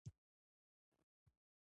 دا هلک په ټولګي کې تل لومړی راځي